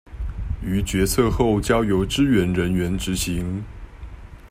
於決策後交由支援人員執行